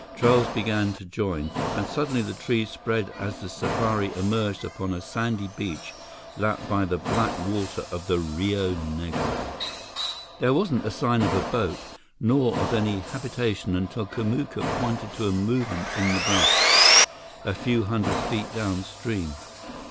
Trails began to join, and suddenly the trees spread as the safari emerged upon a sandy beach lapped by the black water of the Rio Negro. There wasn't a sign of a boat nor of any habitation until Kamuka pointed to a movement in the brush, a few hundred feet downstream. Mr.